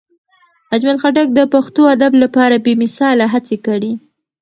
اجمل خټک د پښتو ادب لپاره بې مثاله هڅې کړي.